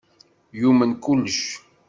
Yumen kullec.